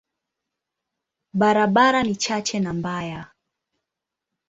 Barabara ni chache na mbaya.